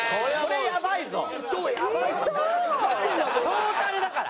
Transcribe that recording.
トータルだから！